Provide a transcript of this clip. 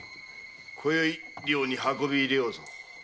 今宵寮に運び入れようぞ。